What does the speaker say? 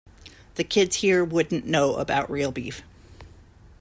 The kids here wouldn't know about real beef.